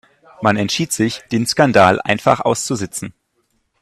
Man entschied sich, den Skandal einfach auszusitzen.